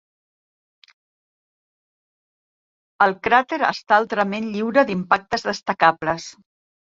El cràter està altrament lliure d'impactes destacables.